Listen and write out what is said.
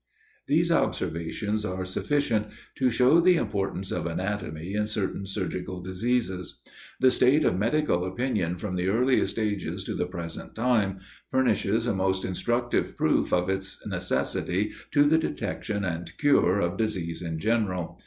These observations are sufficient to show the importance of anatomy in certain surgical diseases. The state of medical opinion from the earliest ages to the present time, furnishes a most instructive proof of its necessity to the detection and cure of disease in general.